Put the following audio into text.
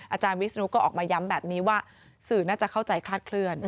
อาจารย์วิศนุก็ออกมาย้ำแบบนี้ว่าสื่อน่าจะเข้าใจคลาดเคลื่อน